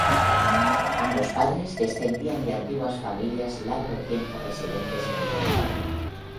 Ambos padres descendían de antiguas familias largo tiempo residentes en el condado.